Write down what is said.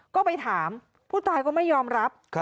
ก็ไปถามผู้ตายก็ไม่ยอมรับ